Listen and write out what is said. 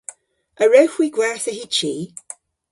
A wrewgh hwi gwertha hy chi?